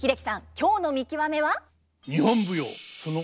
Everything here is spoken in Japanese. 今日の見きわめは？